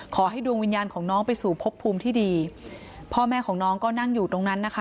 ขอให้ดวงวิญญาณของน้องไปสู่พบภูมิที่ดีพ่อแม่ของน้องก็นั่งอยู่ตรงนั้นนะคะ